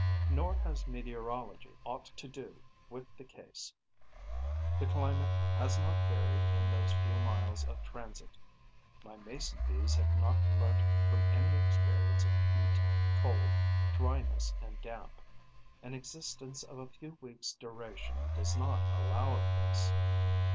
Nor has meteorology aught to do with the case: the climate has not varied in those few miles of transit. My Mason bees have not learnt from any experience of heat, cold, dryness and damp: an existence of a few weeks' duration does not allow of this.